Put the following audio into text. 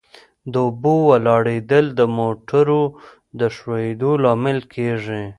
د اوبو ولاړېدل د موټرو د ښوئیدو لامل کیږي